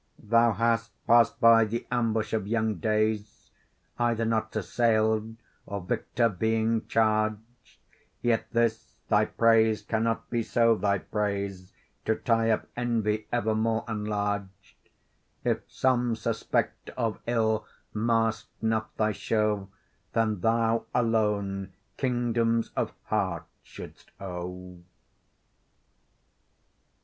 Thou hast passed by the ambush of young days Either not assail'd, or victor being charg'd; Yet this thy praise cannot be so thy praise, To tie up envy, evermore enlarg'd, If some suspect of ill mask'd not thy show, Then thou alone kingdoms of hearts shouldst owe.